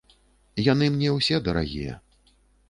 Яны мне ўсе дарагія.